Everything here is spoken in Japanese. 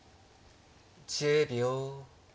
１０秒。